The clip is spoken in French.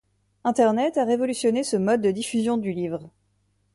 Internet a révolutionné ce mode de diffusion du livre.